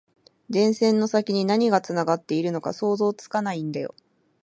電線の先に何がつながっているのか想像つかないんだよ